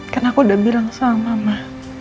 karena aku udah bilang sama mama